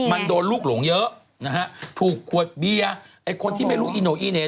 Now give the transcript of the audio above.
มันโดนลูกหลงเยอะนะฮะถูกขวดเบียร์ไอ้คนที่ไม่รู้อีโน่อีเหน่